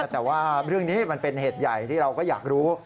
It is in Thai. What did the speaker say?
แต่ว่าเรื่องนี้มันเป็นเหตุใหญ่ที่เราก็อยากรู้